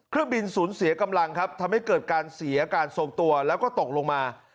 เครื่องบินศูนย์เสียกำลังครับทำให้เกิดการเสียอาการทรงตัวแล้วก็ตกลงมา